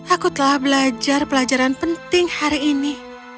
aku telah belajar pelajaran penting hari ini